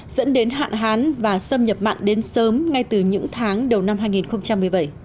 dẫn đến hạn hán và xâm nhập mặn đến sớm ngay từ những tháng đầu năm hai nghìn một mươi bảy